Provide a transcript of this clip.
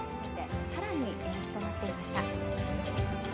さらに延期となっていました。